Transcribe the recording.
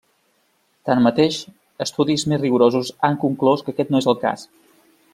Tanmateix, estudis més rigorosos han conclòs que aquest no és el cas.